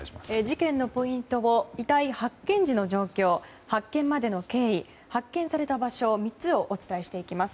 事件のポイントを遺体発見時の状況発見までの経緯発見された場所３つをお伝えしていきます。